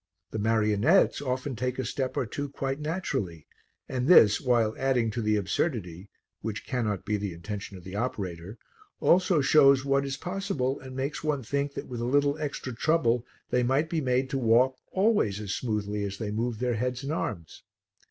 The marionettes often take a step or two quite naturally, and this, while adding to the absurdity (which cannot be the intention of the operator), also shows what is possible and makes one think that with a little extra trouble they might be made to walk always as smoothly as they move their heads and arms.